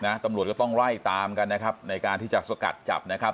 ตำรวจก็ต้องไล่ตามกันนะครับในการที่จะสกัดจับนะครับ